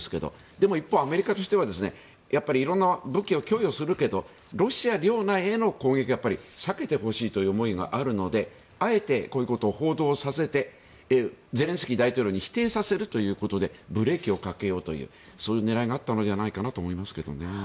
でも一方、アメリカとしては色んな武器を供与するけどロシア領内への攻撃は避けてほしいという思いがあるのであえてこういうことを報道させてゼレンスキー大統領に否定させるということでブレーキをかけようというそういう狙いがあったのではと思いますが。